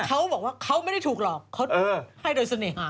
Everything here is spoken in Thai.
เขาบอกว่าเขาไม่ได้ถูกหลอกเขาให้โดยเสน่หา